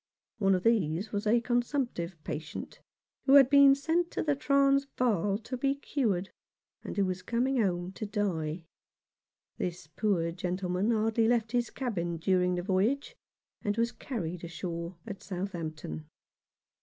One of these was a consumptive patient, who had been sent to the Transvaal to be cured, and who was coming home to die. This poor gentleman hardly left his cabin during the voyage, and was carried on shore at Southampton.